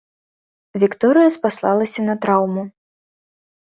Вікторыя спаслалася на траўму.